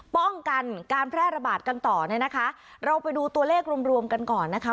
ป้องกันการแพร่ระบาดกันต่อเนี่ยนะคะเราไปดูตัวเลขรวมรวมกันก่อนนะคะ